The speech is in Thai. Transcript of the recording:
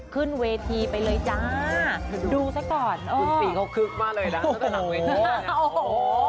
ขึ้นเวทีไปเลยจ้าดูซักก่อนเออคุณสีเขาคึกมาเลยน่ะโอ้โห